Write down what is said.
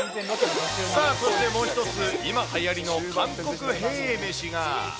さあそして、もう１つ、今はやりの韓国へぇ飯が。